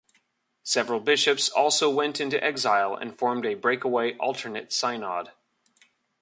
Several bishops also went into exile and formed a break-away alternate synod.